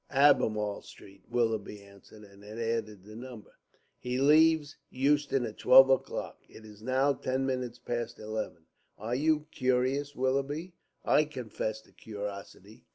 "Albemarle Street," Willoughby answered, and added the number. "He leaves Euston at twelve o'clock. It is now ten minutes past eleven. Are you curious, Willoughby? I confess to curiosity.